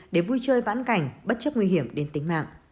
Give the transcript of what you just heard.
để vui chơi vãn cảnh bất chấp nguy hiểm đến tính mạng